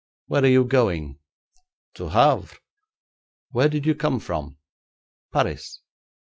'Where are you going?' 'To Havre.' 'Where did you come from?' 'Paris.'